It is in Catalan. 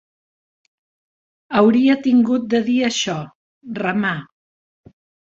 Hauria tingut de dir això: remar